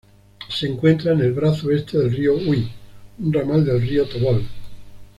Se encuentra en el brazo este del río Uy, un ramal del río Tobol.